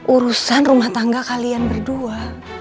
urusan rumah tangga kalian berdua